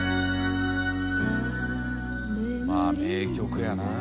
まあ名曲やな。